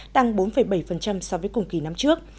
tăng bốn bảy so với cùng kỳ năm trước